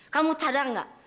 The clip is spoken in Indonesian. kamu cadang gak